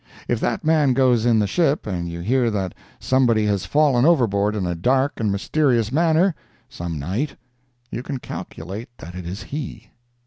If that man goes in the ship and you hear that somebody has fallen overboard in a dark and mysterious manner, some night, you can calculate that it is he.